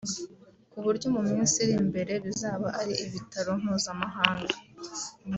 ku buryo mu minsi iri imbere bizaba ari ibitaro mpuzamahanga